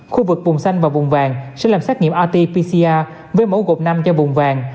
khu vực vùng xanh và vùng vàng sẽ làm xét nghiệm rt pcr với mẫu gộp năm cho vùng vàng